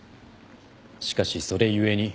しかしそれ故に。